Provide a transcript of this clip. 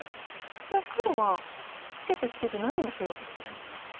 これ黒はツケてツケて何をしようとしてるんですか？